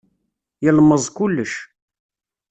Yelmeẓ kullec.